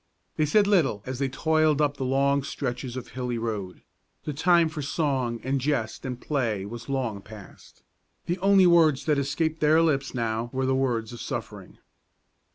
They said little as they toiled up the long stretches of hilly road; the time for song and jest and play was long past; the only words that escaped their lips now were words of suffering.